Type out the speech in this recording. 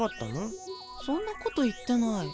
そんなこと言ってない。